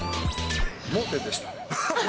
盲点でした。